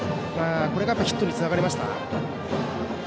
これがヒットにつながりました。